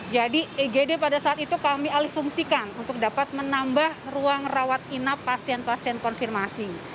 jadi igd pada saat itu kami alih fungsikan untuk dapat menambah ruang rawat inap pasien pasien konfirmasi